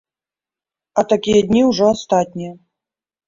А такія дні ўжо астатнія.